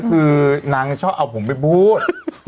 คือนางชอบเอาผมไปพูด